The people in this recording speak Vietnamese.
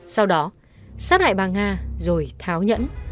sau đó sát hại bà nga rồi tháo nhẫn